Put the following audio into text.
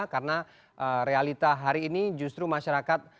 karena realita hari ini justru masyarakat